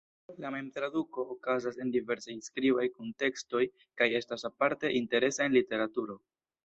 La mem-traduko okazas en diversaj skribaj kuntekstoj kaj estas aparte interesa en literaturo.